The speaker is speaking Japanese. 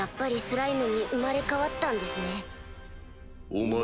お前